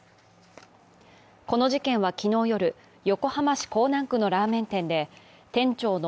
この事件は昨日夜、横浜市港南区のラーメン店で店長の